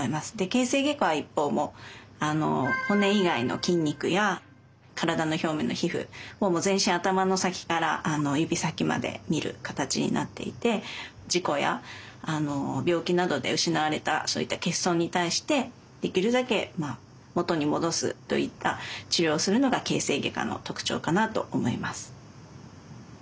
形成外科は一方骨以外の筋肉や体の表面の皮膚ほぼ全身頭の先から指先まで診る形になっていて事故や病気などで失われたそういった欠損に対してできるだけ元に戻すといった治療をするのが形成外科の特徴かなと思います。